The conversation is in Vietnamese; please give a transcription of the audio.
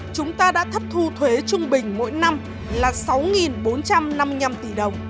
chúng ta đã thất thu thuế trung bình mỗi năm là sáu bốn trăm năm mươi năm tỷ đồng